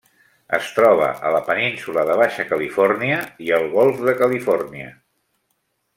Es troba a la Península de Baixa Califòrnia i el Golf de Califòrnia.